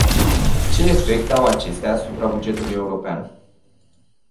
Ce efect au acestea asupra bugetului european?